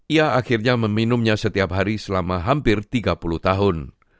ia akhirnya meminumnya setiap hari selama hampir tiga puluh tahun